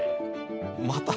また。